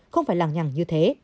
không phải làng nhằng như thế